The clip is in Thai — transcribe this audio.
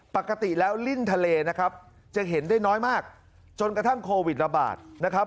ปกติแล้วลิ้นทะเลนะครับจะเห็นได้น้อยมากจนกระทั่งโควิดระบาดนะครับ